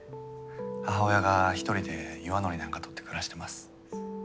母親が一人で岩のりなんか採って暮らしています。